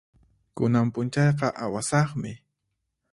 Kunan p'unchayqa awasaqmi.